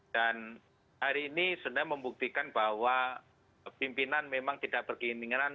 dan hari ini sebenarnya membuktikan bahwa pimpinan memang tidak berkeinginan